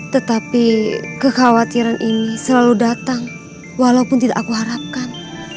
tetapi kekhawatiran ini selalu datang walaupun tidak aku harapkan